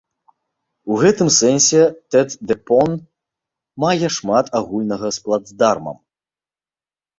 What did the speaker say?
У гэтым сэнсе, тэт-дэ-пон мае шмат агульнага з плацдармам.